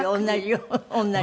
同じよ。